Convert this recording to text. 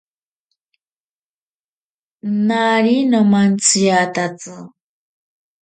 Nari nomantsiatatsi.